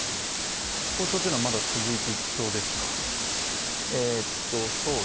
交渉というのはまだ続いていきそうですか。